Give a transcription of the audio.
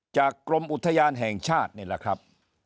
กรมอุทยานแห่งชาตินี่แหละครับ